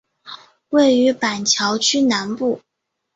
位于板桥区南部。